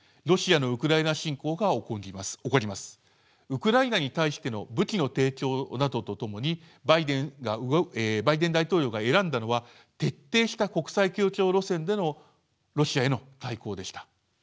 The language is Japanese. ウクライナに対しての武器の提供などとともにバイデン大統領が選んだのは徹底した国際協調路線でのロシアへの対抗でした。